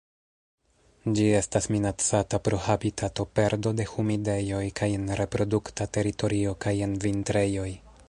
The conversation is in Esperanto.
Ĝi estas minacata pro habitatoperdo de humidejoj kaj en reprodukta teritorio kaj en vintrejoj.